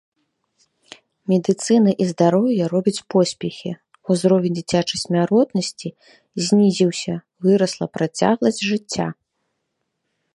Медыцына і здароўе робяць поспехі, узровень дзіцячай смяротнасці знізіўся, вырасла працягласць жыцця.